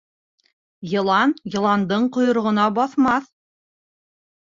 Йылан йыландың ҡойроғона баҫмаҫ.